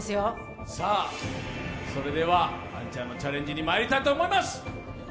それでは杏ちゃんのチャレンジにまいりたいと思います。